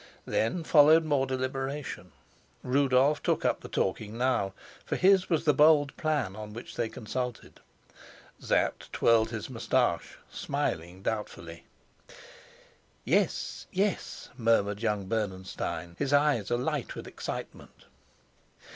Then followed more deliberation; Rudolf took up the talking now, for his was the bold plan on which they consulted. Sapt twirled his moustache, smiling doubtfully. "Yes, yes," murmured young Bernenstein, his eyes alight with excitement.